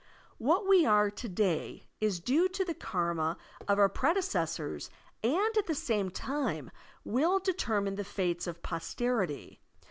What we are to day is due to the karma of our predecessors and at the same time will determine the fates of posterity.